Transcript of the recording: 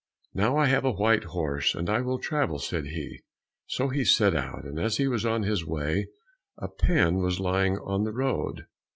"Now I have a white horse, and I will travel," said he. So he set out, and as he was on his way, a pen was lying on the road.